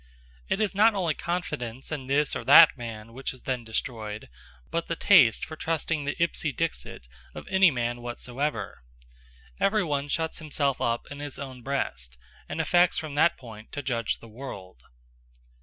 It is not only confidence in this or that man which is then destroyed, but the taste for trusting the ipse dixit of any man whatsoever. Everyone shuts himself up in his own breast, and affects from that point to judge the world.